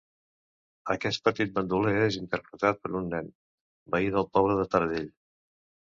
Aquest petit bandoler és interpretat per un nen, veí del poble de Taradell.